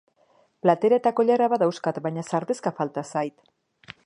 Platera eta koilara badauzkat baina sardexka falta zait.